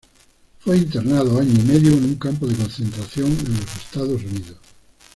Fue internado año y medio en un campo de concentración en los Estados Unidos.